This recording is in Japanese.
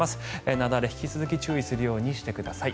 雪崩に引き続き注意するようにしてください。